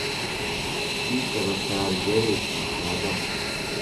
بیکە بە کارگەرێکی سادە.